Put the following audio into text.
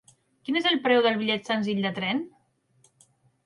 Quin és el preu del bitllet senzill de tren?